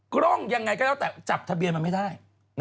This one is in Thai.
กล้องยังไงก็แล้วแต่จับทะเบียนมันไม่ได้